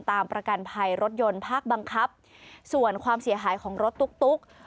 ประกันภัยรถยนต์ภาคบังคับส่วนความเสียหายของรถตุ๊ก